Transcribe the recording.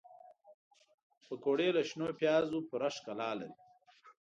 پکورې له شنو پیازو پوره ښکلا لري